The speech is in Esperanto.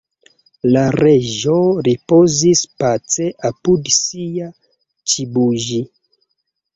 La Reĝo ripozis pace apud sia _ĉibuĝi_.